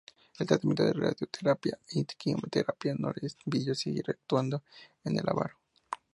El tratamiento de radioterapia y quimioterapia no le impidió seguir actuando en "El avaro".